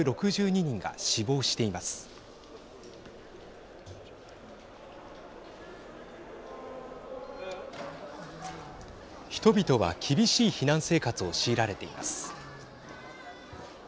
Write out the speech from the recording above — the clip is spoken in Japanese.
人々は厳しい避難生活を強いられています。